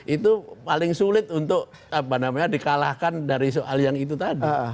itu paling sulit untuk dikalahkan dari soal yang itu tadi